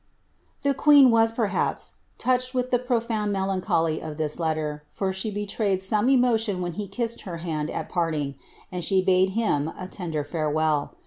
"' The queen was, perhaps, touched with the profound melancholy of this letter, for she betrayed some emotion when he kissed her hand at parting, and she bade him a tender farewell.